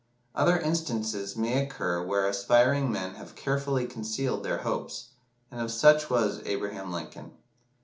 Other instances may occur where aspiring men have carefully concealed their hopes, and of such was Abraham Lincoln.